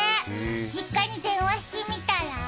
実家に電話してみたら？